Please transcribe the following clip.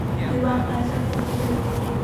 د وخت په ارزښت پوهېدل.